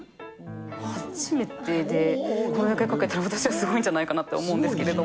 初めてでこれだけ描けたら、私はすごいんじゃないかなと思うんですけど。